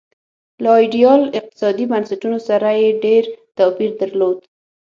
له ایډیال اقتصادي بنسټونو سره یې ډېر توپیر درلود.